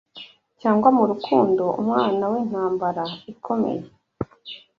cyangwa murukundo UMWANA Wintambara ikomeye!